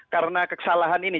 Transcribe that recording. karena kekesalahan ini